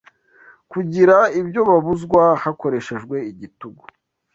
Kugira ibyo babuzwa hakoreshejwe igitugu